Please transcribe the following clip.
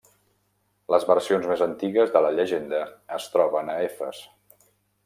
Les versions més antigues de la llegenda es troben a Efes.